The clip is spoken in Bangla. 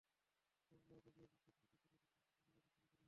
সেই অনুযায়ী রোগীর সঙ্গে থাকা স্বজনের কাছে শিশুকে হস্তান্তর করা হয়।